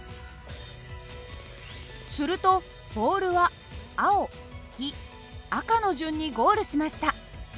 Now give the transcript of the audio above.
するとボールは青黄色赤の順にゴールしました。